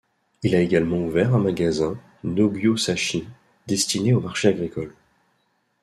Il a également ouvert un magasin, Nogyo Zasshi, destiné au marché agricole.